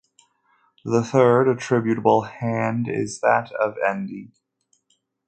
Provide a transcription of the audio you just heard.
The third attributable hand is that of Ende.